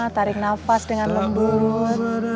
tarik nafas dengan lembut